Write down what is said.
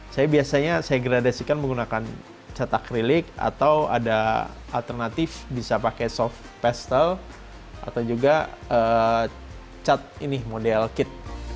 saya biasanya saya gradasikan menggunakan cetak krilik atau ada alternatif bisa pakai soft pastel atau juga cat ini model kit